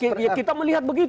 oh iya kita melihat begitu